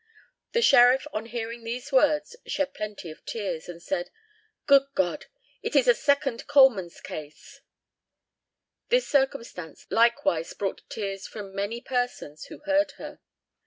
The sheriff on hearing these words shed plenty of tears, and said, 'Good God! it is a second Coleman's case!' This circumstance likewise brought tears from many persons who heard her.